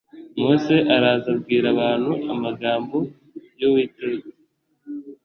mose araza abwira abantu amagambo y uwiteka